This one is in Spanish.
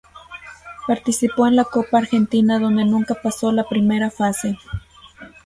Participó en la Copa Argentina donde nunca paso la primera fase.